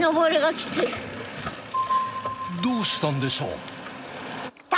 どうしたんでしょう。